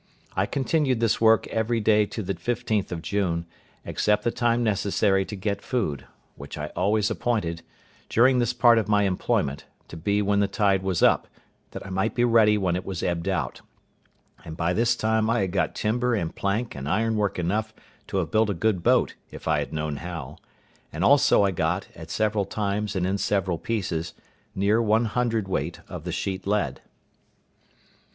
I continued this work every day to the 15th of June, except the time necessary to get food, which I always appointed, during this part of my employment, to be when the tide was up, that I might be ready when it was ebbed out; and by this time I had got timber and plank and ironwork enough to have built a good boat, if I had known how; and also I got, at several times and in several pieces, near one hundredweight of the sheet lead.